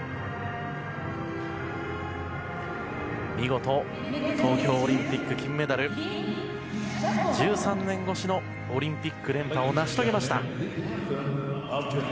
見事、東京オリンピック金メダル１３年越しのオリンピック連覇を成し遂げました。